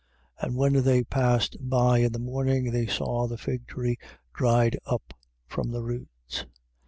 11:20. And when they passed by in the morning they saw the fig tree dried up from the roots.